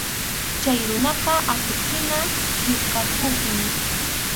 Chay runaqa atuq-hina yukakuqmi.